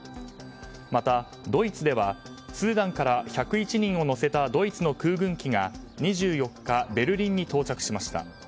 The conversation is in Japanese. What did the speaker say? また、ドイツではスーダンから１０１人を乗せたドイツの空軍機が２４日、ベルリンに到着しました。